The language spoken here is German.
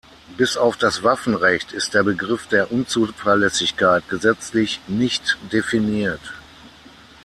Bis auf das Waffenrecht ist der Begriff der Unzuverlässigkeit gesetzlich nicht definiert.